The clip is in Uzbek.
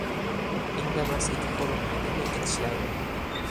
• Indamas it hurimaydi, lekin tishlaydi.